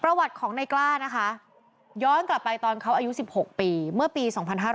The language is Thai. ประวัติของในกล้านะคะย้อนกลับไปตอนเขาอายุ๑๖ปีเมื่อปี๒๕๕๙